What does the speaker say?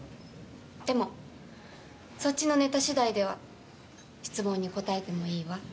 でもそっちのネタしだいでは質問に答えてもいいわ。